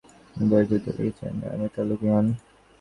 তিনি বোয়ের যুদ্ধ নিয়ে লিখেছেন "আমেরিকা লুকিং অন"।